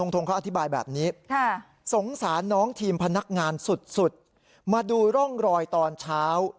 ทงเขาอธิบายแบบนี้สงสารน้องทีมพนักงานสุดมาดูร่องรอยตอนเช้า